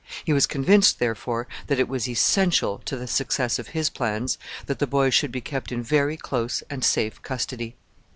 He was convinced, therefore, that it was essential to the success of his plans that the boys should be kept in very close and safe custody.